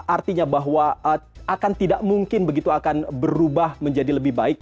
artinya bahwa akan tidak mungkin begitu akan berubah menjadi lebih baik